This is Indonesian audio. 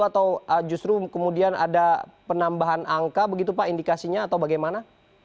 atau justru kemudian ada penambahan angka begitu pak indikasinya atau bagaimana